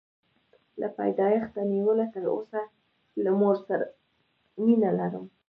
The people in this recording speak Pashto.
له پیدایښته نیولې تر اوسه له مور سره مینه لرم.